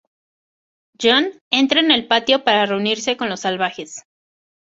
Jon entra en el patio para reunirse con los salvajes.